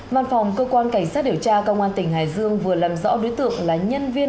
văn phòng cơ quan cảnh sát điều tra công an tỉnh hải dương vừa làm rõ đối tượng là nhân viên